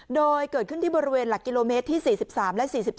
โดยเกิดขึ้นที่บริเวณหลักกิโลเมตรที่๔๓และ๔๒